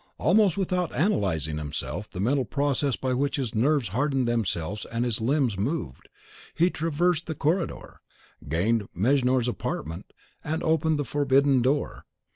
Almost without analysing himself the mental process by which his nerves hardened themselves and his limbs moved, he traversed the corridor, gained Mejnour's apartment, and opened the forbidden door.